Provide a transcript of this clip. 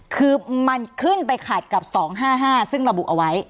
คือมันขึ้นไปขัดกับ๒๕๕ซึ่งระบุเอาไว้